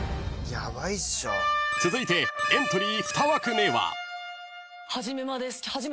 ［続いてエントリー２枠目は］